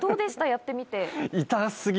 やってみて。